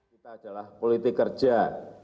kita adalah politik kerja